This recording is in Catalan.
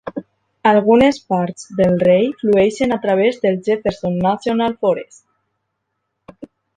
Algunes parts del rei flueixen a través del Jefferson National Forest.